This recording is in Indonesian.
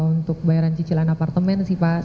untuk bayaran cicilan apartemen sih pak